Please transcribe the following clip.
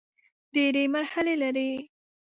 ډېري مرحلې لري .